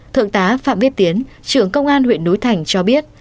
thượng tá phạm biết tiến trưởng công an huyện núi thành cho biết